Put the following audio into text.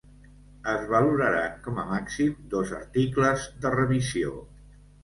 Es valoraran com a màxim dos articles de revisió.